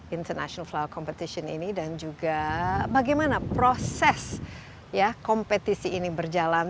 international flower competition ini dan juga bagaimana proses kompetisi ini berjalan